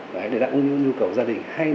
đấy để đạt nguyên nhu cầu gia đình